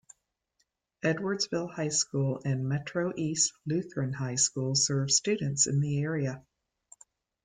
Edwardsville High School and Metro-East Lutheran High School serve students in the area.